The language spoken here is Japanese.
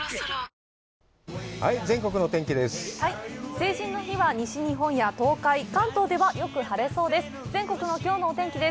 成人の日は西日本や東海、関東ではよく晴れそうです。